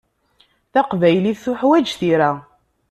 Taqbaylit tuḥwaǧ tira.